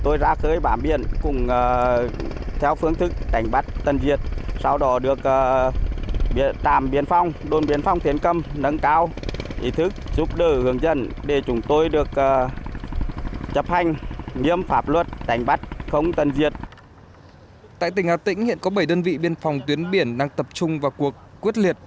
tại tỉnh hà tĩnh hiện có bảy đơn vị biên phòng tuyến biển đang tập trung vào cuộc quyết liệt